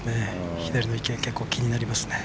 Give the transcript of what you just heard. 左の池、気になりますね。